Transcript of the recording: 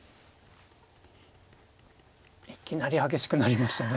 いきなり激しくなりましたね。